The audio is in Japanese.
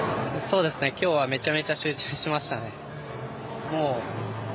今日はめちゃめちゃ集中しましたね。